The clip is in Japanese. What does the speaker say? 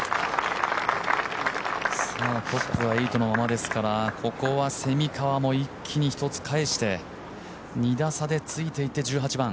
トップは８のままですから、ここは蝉川も一気に１つ返して２打差でついていって１８番。